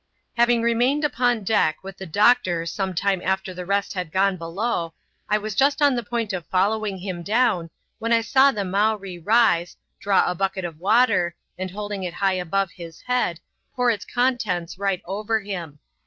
Having remained upon deck with the doctor some time after the rest had gone below, I was just on the point of following him down, when I saw the Mowree rise, draw a bucket of water, and holding it high above his head, pour its contents light over him.